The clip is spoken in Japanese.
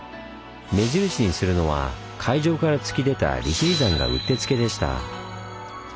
目印にするのは海上から突き出た利尻山がうってつけでした。